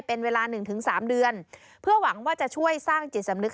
เป็นเวลา๑๓เดือนเพื่อหวังว่าจะช่วยสร้างจิตสำนึก